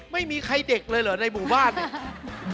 ไม่มีใครเด็กเลยเหรอในหมู่บ้านเนี่ย